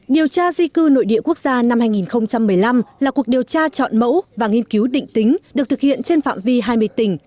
điều tra di cư nội địa quốc gia năm hai nghìn một mươi năm là cuộc điều tra chọn mẫu và nghiên cứu định tính được thực hiện trên phạm vi hai mươi tỉnh